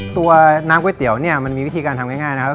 ตัวน้ำก๋วยเตี๋ยวเนี่ยมันมีวิธีการทำง่ายนะครับ